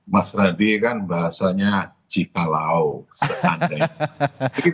mas radie kan bahasanya cikalau seandainya